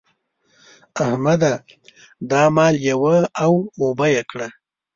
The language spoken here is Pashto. احمده! دا مال یوه او اوبه يې کړه.